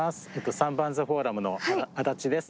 三番瀬フォーラムの安達です。